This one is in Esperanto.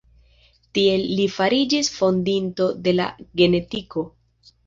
Tiel li fariĝis fondinto de la genetiko.